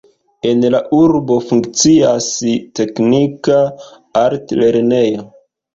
En la urbo funkcias teknika altlernejo.